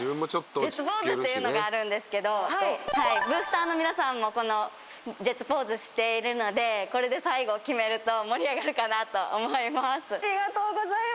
ジェッツポーズっていうのがあるんですけどブースターの皆さんもこのジェッツポーズしているのでこれで最後決めると盛り上がるかなと思います。